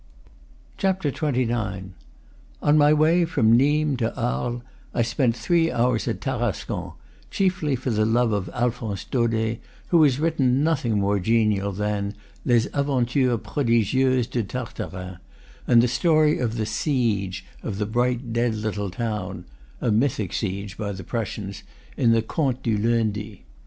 XXIX. On my way from Nimes to Arles, I spent three hours at Tarascon; chiefly for the love of Alphonse Daudet, who has written nothing more genial than "Les Aventures Prodigieuses de Taitarin," and the story of the "siege" of the bright, dead little town (a mythic siege by the Prussians) in the "Conies du Lundi."